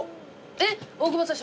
えっ大久保さん